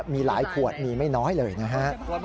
มีหลายขวดมีไม่น้อยเลยนะฮะ